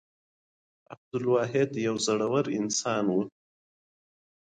په تاریخي متونو کې اوغان او افغان دواړه د پښتنو لپاره ذکر شوي.